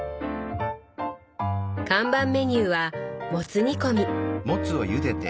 看板メニューはもつ煮込み。